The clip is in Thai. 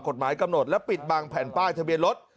กฎหมายกำหนดและปิดบังแผ่นป้ายทะเบียนรถ